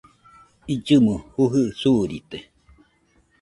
Illɨmo jujɨ suurite